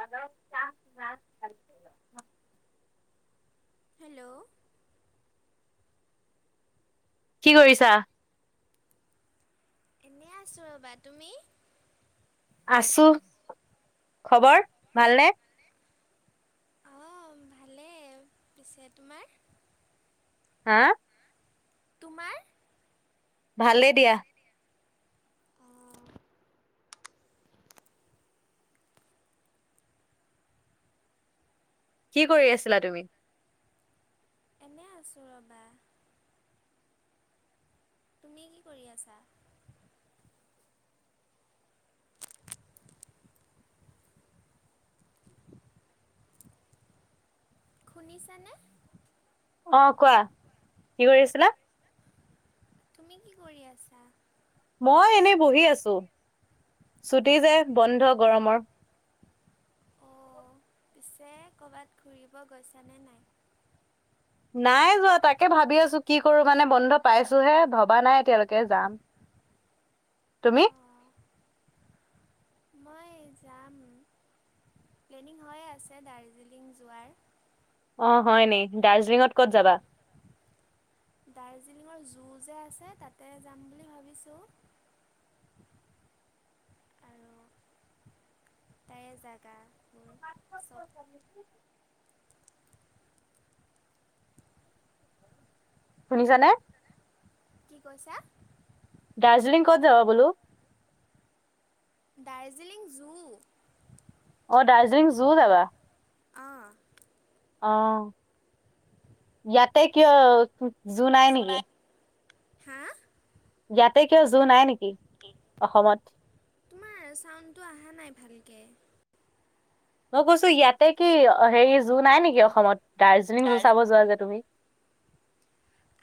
বাপেৰক চাহ মাত হেল্ল' কি কৰিছা এনেই আছোঁ ৰ'বা তুমি আছো খবৰ ভালনে অঁ ভালেই পিছে তোমাৰ হা তোমাৰ ভালে দিয়া অঁ কি কৰি আছিলা তুমি এনে আছোঁ ৰ'বা তুমি কি কৰি আছা শুনিছানে অ কোৱা কি কৰি আছিলা তুমি কি কৰি আছা মই এনেই বহি আছো ছুটি যে বন্ধ গৰমৰ অঁ, পিছে ক'বাত ঘূৰিব গৈছানে নাই নাই যোৱা তাকে ভাবি আছো কি কৰো মানে বন্ধ পাইছো হে ভবা নাই এতিয়ালৈকে যাম তুমি মই যাম প্লেনিং হৈয়ে আছে দাৰ্জিলিং যোৱাৰ অ হয় নি দাৰ্জিলিঙত ক'ত যাবা দাৰ্জিলিঙৰ জু যে আছে তাতে যাম বুলি ভাবিছোঁ আৰু তাৰে জোগাবোৰ চব শুনিছানে কি কৈছা দাৰ্জিলিং ক'ত যাবা বোলো দাৰ্জিলিং জু অ দাৰ্জিলিং জু যাবা অঁ অ ইয়াতে কিয় জু নাই নিকি জোনাই হা ইয়াতে কিয় জু নাই নিকি অসমত তোমাৰ চাউণ্ডটো আহা নাই ভালকে মই কৈছো ইয়াতে কি হেৰি জু নাই নিকি অসমত দাৰ্জিলিং জু তাৰ চাব যোৱা যে তুমি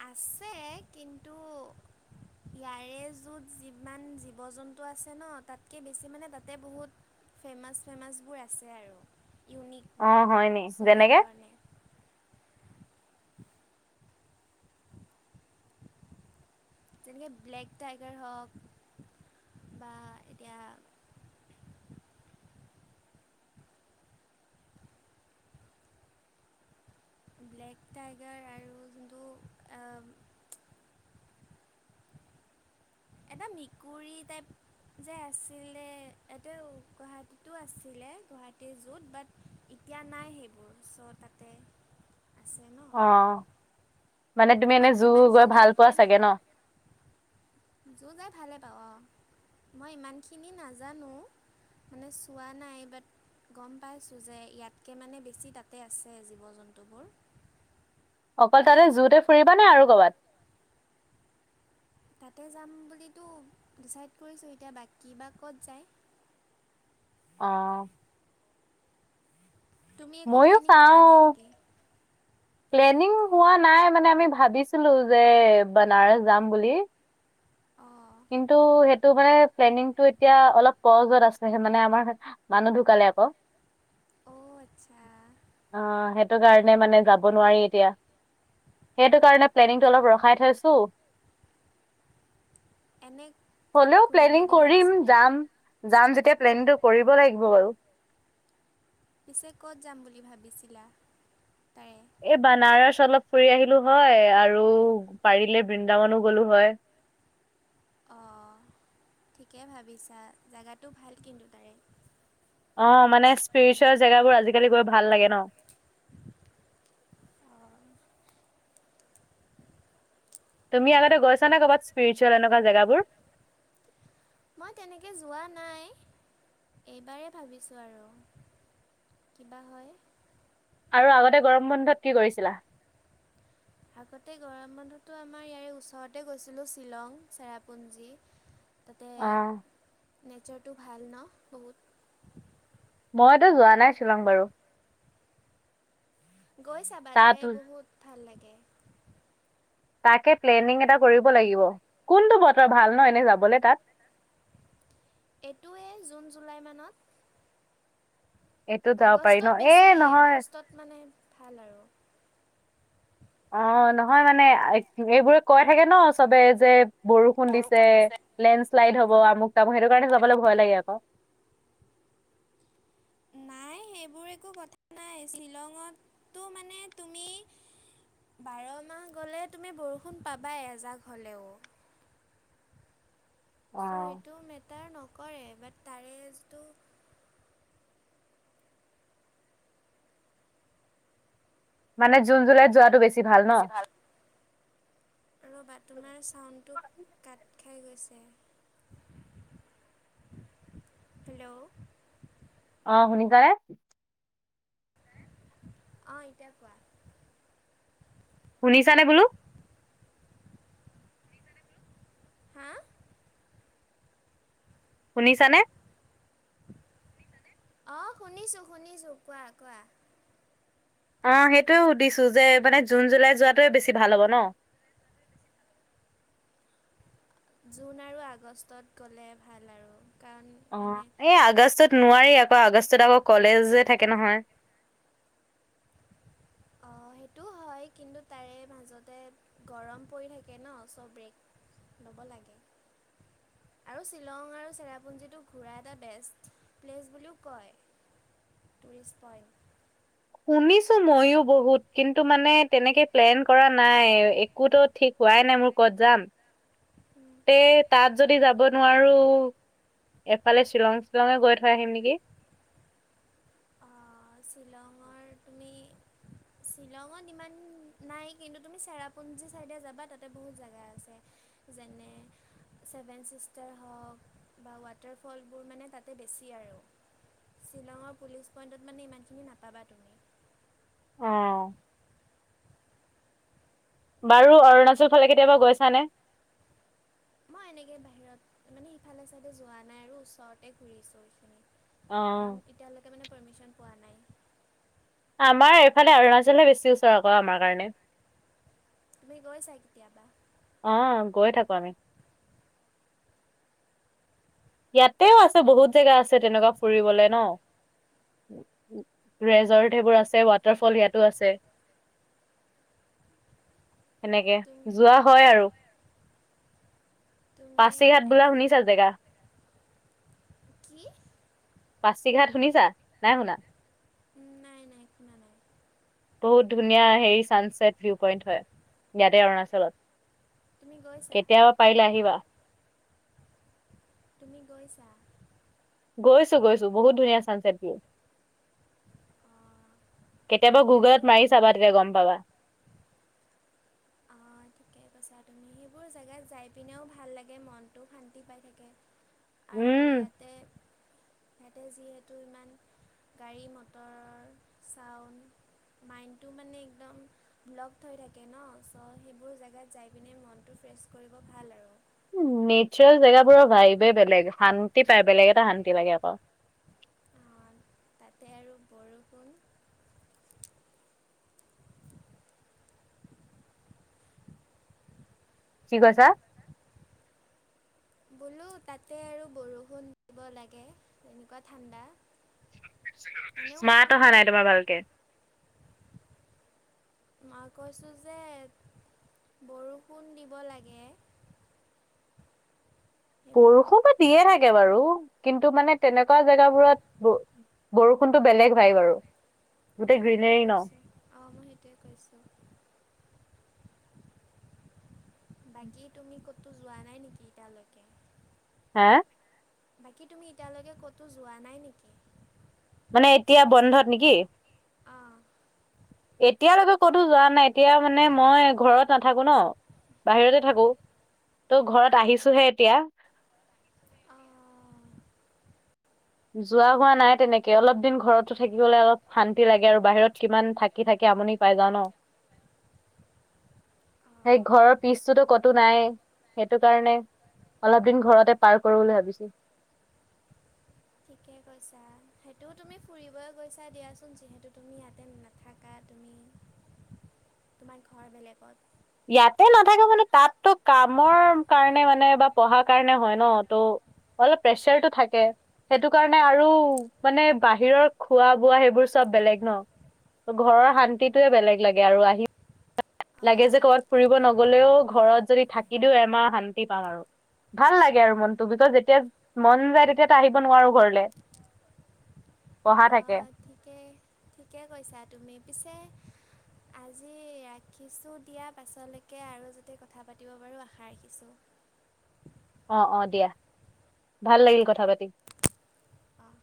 আছে কিন্তু ইয়াৰে জু ত যিমান জীৱ জন্তু আছে ন তাতকে বেছি মানে তাতে বহুত ফেমাছ ফেমাছবোৰ আছে আৰু ইউনিক অ হয় নি চ' যেনেকে সেইকাৰণে যেনেকৈ ব্লেক টাইগাৰ হওক বা এতিয়া ব্লেক টাইগাৰ আৰু যোনটো আ-ম এটা মেকুৰী টাইপ যে আছিলে এতিয়াও গুৱাহাটীতো আছিলে, গুৱাহাটীৰ জুত বাট এতিয়া নাই সেইবোৰ, চ' তাতে আছে ন'। অঁ মানে তুমি মই এনেই জু গৈ ইমানখিনি ভাল পোৱা মানে চাগে ন'? জু যাই ভালে পাব অঁ, মই ইমানখিনি নাজানোঁ। মানে চোৱা নাই বাট গম পাইছোঁ যে ইয়াতকৈ মানে বেছি তাতে আছে জীৱ-জন্তুবোৰ। অকল তাতে জোতে ফুৰিবা নে আৰু ক'ৰবাত? তাতে যাম বুলিতো ডিচাইড কৰিছোঁ, এতিয়া বাকী বা ক'ত যায়। অঁ। তুমি একো ময়ো প্লেনিং চাও কৰা নাই নেকি? প্লেনিং হোৱা নাই মানে আমি ভাবিছিলো যে বনাৰস যাম বুলি। অঁ। কিন্তু সেইটো মানে প্লেনিংটো এতিয়া অলপ কজত আছে মানে আমাৰ মানুহ ঢুকালে আকৌ। অঁ' আচ্ছা। অঁ, সেইটো কাৰণে মানে যাব নোৱাৰি এতিয়া। সেইটো কাৰণে প্লেনিংটো অলপ ৰখাই থৈছো। এনেই- হ'লেও প্লেনিং কৰিম যাম, যাম যেতিয়া প্লেনিংটো কৰিব লাগিব বাৰু। পিছে ক'ত যাম বুলি ভাবিছিলা তাৰে? এই বানাৰস অলপ ফুৰি আহিলো হয় আৰু পাৰিলে বৃন্দাবনো গ'লো হয়। অঁ' ঠিকে ভাবিছা, জেগাটো ভাল কিন্তু তাৰে। অঁ' মানে স্পিৰিচুৱেল জেগাবোৰ আজিকালি গৈ ভাল লাগে ন'। অঁ। তুমি আগতে গৈছা নে ক'ৰবাত স্পিৰিুৱেল এনেকুৱা জেগাবোৰ? মই তেনেকৈ যোৱা নাই, এইবাৰেই ভাবিছোঁ আৰু। কি বা হয়। আৰু আগতে গৰম বন্ধত কি কৰিছিলা? আগতে গৰম বন্ধটো আমাৰ ইয়াৰে ওচৰতে গৈছিলোঁ শ্বিলং চেৰাপুঞ্জী। [unintelligible] তাতে অ', নেচাৰটো ভাল ন' বহুত। মইতো যোৱা নাই শ্বিলং বাৰু। গৈ চাবা, তাত তাৰে বহুত ভাল লাগে। তাকে প্লেনিং এটা কৰিব লাগিব। কোনটো বতৰ ভাল ন' এনেই যাবলৈ তাত? এইটোৱেই জুন জুলাই মানত। এইটোত যাব পাৰি ন? আগষ্টত এ বেছি, নহয় আগষ্টত মানে ভাল আৰু। অঁ' নহয় মানে এইবোৰে কৈ থাকে ন' চবে যে বৰষুণ দিছে- লেণ্ডশ্লাইড হ'ব, আমুক-তামুক সেইটো কাৰণে যাবলৈ ভয় লাগে আকৌ। নাই সেইবোৰ একো কথা নাই, শ্বিলঙতো মানে তুমি বাৰ মাহ গ'লে তুমি বৰষুণ পাবায়ে এজাক হ'লেও। অ ছ' এইটো মেটাৰ নকৰে বাট তাৰে যিটো- মানে জুন জুলাইত যোৱাটো বেছি বেছি ভাল। ৰবা তোমাৰ চাউণ্ডটো কাট খাই গৈছে। [inaudible] হেল্ল। অঁ হুনুকাই। অঁ, এতিয়া কোৱা। শুনিছানে বোলো? হা শুনিছানে? অঁ, শুনিছো শুনিছো কোৱা কোৱা। অঁ সেইটোয়ে সুধিছো, যে মানে জুন জুলাই যোৱাটোৱে বেছি ভাল হব ন। জুন আৰু আগষ্টত গ'লে ভাল আৰু। কাৰণ অঁ, মানে এই আগষ্টত নোৱাৰি আকৌ আগষ্টত আকৌ কলেজে থাকে নহয়। অঁ সেইটোও হয়, কিন্তু তাৰে মাজতে গৰম পৰি থাকে ন চৌ ব্ৰেক ল'ব লাগে। আৰু শ্বিলং আৰু চেৰাপুঞ্জীটো ঘূৰা এটা বেষ্টত প্লেচ বুলিও কয়। Tourist point. শুনিছো মইও বহুত, কিন্তু মানে তেনেকে প্লেন কৰা নাই। কুতত ঠিক হোৱাই নাই মোৰ ক'ত যাম। উম এ তাত যদি যাব নোৱাৰো, এফালে শ্বিলং শ্বিলঙে গৈ থৈ আহিম নেকি। অঁ, শ্বিলঙৰ তুমি শ্বিলঙত ইমান নাই কিন্তু, তুমি চেৰাপুঞ্জী চাইডে যাবা তাতে বহুত জেগা আছে। যেনে ছেভেন ছিষ্টাৰ হওঁক। বা ৱাটাৰ ফল বোৰ মানে তাতে বেছি আৰু, শ্বিলঙৰ পুলিচ পইন্টত মানে ইমান খিনি নাপাবা তুমি। অ বাৰু অৰুণাচল ফালে কেতিয়াবা গৈছা নে? মই এনেকে বাহিৰত মানে সিফালে চাইডে যোৱা নাই আৰু ওচৰতে ঘূৰিছোঁ এইখিনি। কাৰণ এতিয়ালৈকে মানে পাৰ্মিশ্যন পোৱা নাই। আমাৰ এইফালে অৰুণাচলহে বেছি ওচৰ আকৌ আমাৰ কাৰণে। তুমি গৈছা কেতিয়াবা? অঁ গৈ থাকো আমি। ইয়াতেও আছে বহুত জেগা আছে তেনেকুৱা ফুৰিবলে ন। ৰেজৰ্ট সেইবোৰ আছে, ৱাটাৰ ফল ইয়াতো আছে। সেনেকে তুমি যোৱা হয় আৰু। তুমি পাচিঘাট বোলা এনে শুনিছা জেগা? কি? পাচিঘাট শুনিছা, নাই শুনা? নাই নাই শুনা নাই। বহুত ধুনীয়া হেৰি ছানচছেট ভিউ পইণ্ট হয়, ইয়াতে অৰুণাচলত। তুমি গৈছা? কেতিয়াবা পাৰিলে আহিবা। তুমি গৈছা? গৈছো গৈছো, বহুত ধুনীয়া চানচেট ভিউ। অঁ। কেতিয়াবা গুগল ত সেইবোৰ মাৰি চাবা তেতিয়া গম পাবা। অঁ ঠিকে কৈছা তুমি, সেইবোৰ জেগাত যাই পিনেও ভাল লাগে মনটো শান্তি পাই থাকে। আৰু উম, ইয়াতে, ইয়াতে যিহেতু ইমান গাড়ী মটৰ চাউণ্ড মাইণ্ডটো মানে একদম ব্লক হৈ থাকে ন ত' সেইবোৰ জেগাত যাই পিনে মনটো ফ্ৰেছ কৰিব ভাল আৰু নেচাৰেল জেগাবোৰৰ ভাইবে বেলেগ শান্তি পায় বেলেগ এটা শান্তি লাগে আক তাতে আৰু বৰষুণ কি কৈছা? বোলো তাতে আৰু বৰষুণ দিব লাগে এনেকুৱা ঠাণ্ডা এনেও মাত অহা নাই সেইবোৰ তোমাৰ ভালকে মই কৈছোঁ যে বৰষুণ দিব লাগে সেইবোৰ বৰষুন'তো দিয়ে থাকে বাৰু কিন্তু মানে তেনেকুৱা জেগাবোৰত বৰষুণতো বেলেগ ভাইব আৰু গোটেই মই সেইটোৱে গ্ৰীনেৰী ন। কৈছোঁ অ মই সেইটোৱে কৈছোঁ বাকী তুমি ক'তো যোৱা নাই নেকি ইতিয়ালৈকে হে বাকী তুমি এতিয়ালৈকে ক'তো যোৱা নাই নেকি মানে এতিয়া বন্ধত নেকি অঁ এতিয়ালৈকে ক'তো যোৱা নাই এতিয়া মানে মই ঘৰত নাথাকো ন বাহিৰতে থাকো ত ঘৰত আহিছোহে এতিয়া অ যোৱা হোৱা নাই তেনেকে অলপ দিন ঘৰতো থাকিবলে অলপ শান্তি লাগে আৰু বাহিৰত কিমান থা থাকি থাকি আমনি পাই যাও ন সেই ঘৰৰ পিচটোতো কতো নাই সেইটো কাৰণে অলপ দিন ঘৰতে পাৰ কৰো বুলি ভাবিছো ঠিকে কৈছা সেইটো তুমি ফুৰিবয়ে গৈছা দিয়াচোন যিহেতু তুমি ইয়াতে না থাকা তুমি [inaudible] তোমাৰ ঘৰ বেলেগত ইয়াতে নাথাকে মানে তাত'তো কামৰ কাৰণে মানে বা পঢ়াৰ কাৰণে হয় ন ত' অলপ প্ৰেচাৰটো থাকে সেইটো কাৰণে আৰু মানে বাহিৰৰ খোৱা বোৱা সেইবোৰ চব বেলেগ ন ঘৰৰ শান্তিটোয়ে বেলেগ লাগে আৰু আহি লাগে যে অ', কৰবাত ফুৰিব ঠিকে নগলেও ঘৰত যদি থাকি দিও এমাহ শান্তি পাম আৰু ভাল লাগে আৰু মনটো বিকছ যেতিয়া মন যায় তেতিয়াতো আহিব নোৱাৰো ঘৰলে পঢ়া থাকে অ', ঠিকে ঠিকে কৈছা তুমি পিছে আজি ৰাখিছোঁ দিয়া পাছলৈকে আৰু যাতে কথা পাতিব পাৰোঁ আশা ৰাখিছোঁ অ অ দিয়া ভাল লাগিল কথা পাতি অ', অ'।